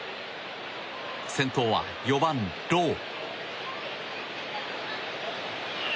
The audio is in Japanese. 先頭は４番、ロー。